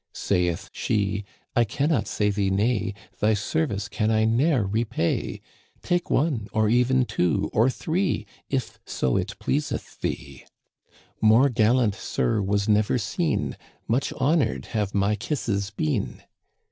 Saith she, " I can not say thee nay ; Thy service can I ne'er repay. Take one, or even two, or three, If so it pleaseth thee. More gallant sir was never seen ; Much honored have my kisses been."